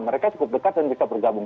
mereka cukup dekat dan bisa bergabung